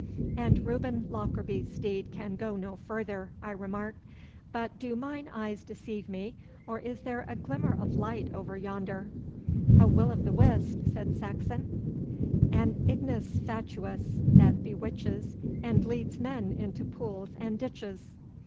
'And Reuben Lockarby's steed can go no further,' I remarked. 'But do mine eyes deceive me, or is there a glimmer of light over yonder?' 'A Will o' the wisp,' said Saxon. "An ignis fatuus that bewitches, And leads men into pools and ditches."